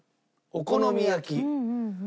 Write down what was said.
お好み焼き。